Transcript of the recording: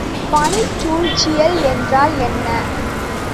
பணிச்சூழியல் என்றால் என்ன?